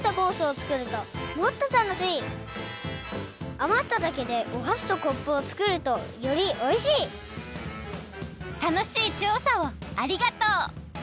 あまった竹でおはしとコップを作るとよりおいしい楽しいちょうさをありがとう！